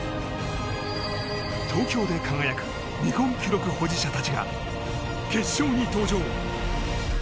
東京で輝く日本記録保持者たちが決勝に登場。